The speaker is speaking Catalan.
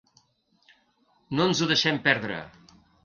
No ens ho deixem perdre.